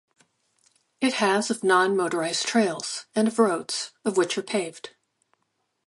It has of non-motorized trails, and of roads, of which are paved.